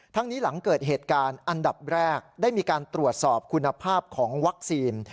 ทั้งนี้หลังเกิดเหตุการณ์อันดับแรกได้มีการตรวจสอบคุณภาพของวัคซีน